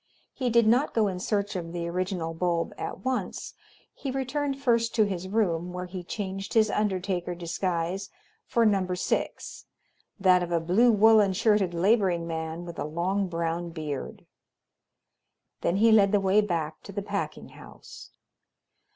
He did not go in search of the original bulb at once. He returned first to his room, where he changed his undertaker disguise for Number Six, that of a blue woolen shirted laboring man with a long brown beard. Then he led the way back to the packing house.